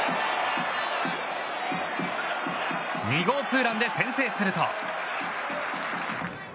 ２号ツーランで先制すると。